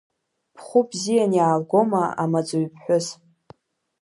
Бхәы бзиан иаалгома амаҵуҩ ԥҳәыс?